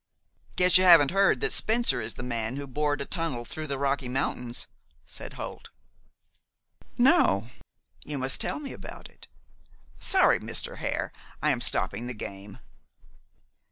"Guess you haven't heard that Spencer is the man who bored a tunnel through the Rocky Mountains?" said Holt. "No. You must tell me about it. Sorry, Mr. Hare, I am stopping the game."